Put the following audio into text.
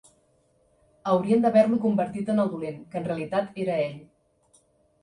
Haurien d'haver-lo convertit en el dolent, que en realitat era ell.